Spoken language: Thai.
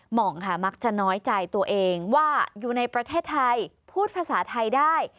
หมองค่ะมักจะน้อยใจตัวเองว่าอยู่ในประเทศไทยพูดภาษาไทยได้